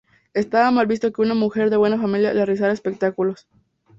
Estaba mal visto que una mujer de buena familia realizara espectáculos.